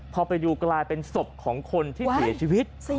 พอไปดูกลายเป็นศพของคนที่เสียชีวิต